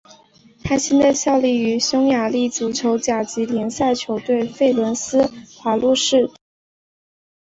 他现在效力于匈牙利足球甲级联赛球队费伦斯华路士体育会。